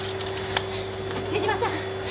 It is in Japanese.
手島さん！